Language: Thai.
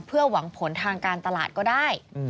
เพื่อหวังผลทางการตลาดก็ได้